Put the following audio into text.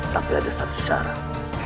tapi ada satu syarat